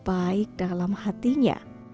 baik dalam hatinya